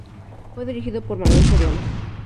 Fue dirigido por Manuel Soriano.